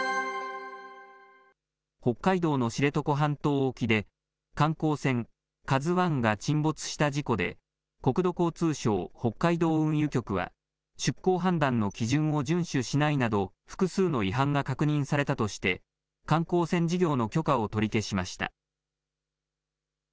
北海道の知床半島沖で、観光船ＫＡＺＵＩが沈没した事故で、国土交通省北海道運輸局は出航判断の基準を順守しないなど、複数の違反が確認されたとして、観光船事業の許可を取り消しました。